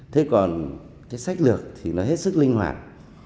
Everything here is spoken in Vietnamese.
thế còn cái sách lược thì nó hết sức linh hoạt